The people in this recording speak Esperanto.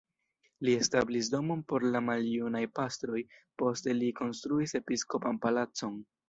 Li establis domon por la maljunaj pastroj, poste li konstruis episkopan palacon.